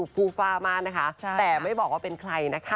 ฟูฟ่ามากนะคะแต่ไม่บอกว่าเป็นใครนะคะ